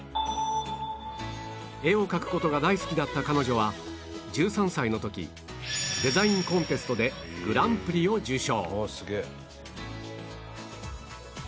絵を描く事が大好きだった彼女は１３歳の時デザインコンテストでグランプリを受賞